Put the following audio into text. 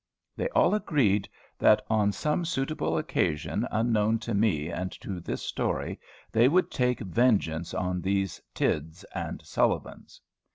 They all agreed that on some suitable occasion unknown to me and to this story they would take vengeance on these Tidds and Sullivans.